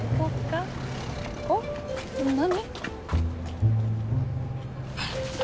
何？